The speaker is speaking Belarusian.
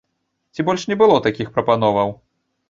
Ці больш не было такіх прапановаў?